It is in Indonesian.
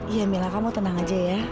iya mila kamu tenang aja ya